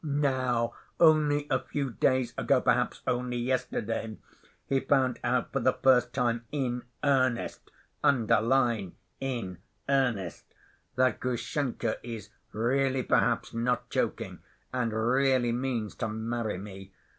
Now, only a few days ago, perhaps only yesterday he found out for the first time in earnest (underline in earnest) that Grushenka is really perhaps not joking, and really means to marry me.